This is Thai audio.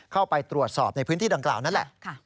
เข้าไปตรวจสอบในพื้นที่ดังกล่าวนั่นแหละ